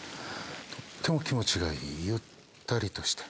とっても気持ちがいいゆったりとして。